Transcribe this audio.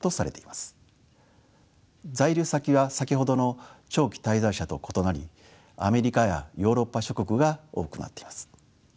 在留先は先ほどの長期滞在者と異なりアメリカやヨーロッパ諸国が多くなっています。